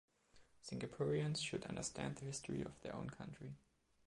Singaporeans should understand the history of their own country.